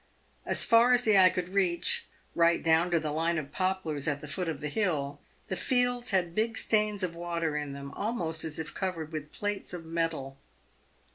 As far as the eye could reach — right down to the line of poplars at the foot of the hill — the fields had big stains of water in them, almost as if covered with plates of metal.